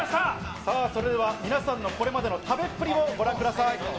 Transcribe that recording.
さあ、それでは皆さんのこれまでの食べっぷりをご覧ください。